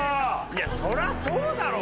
いやそりゃそうだろ。